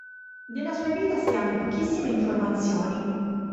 Della sua vita si hanno pochissime informazioni.